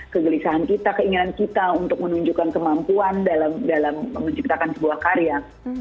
kegelisahan kita keinginan kita untuk menunjukkan kemampuan dalam menciptakan sebuah karya